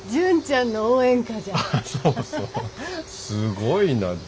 すごいな。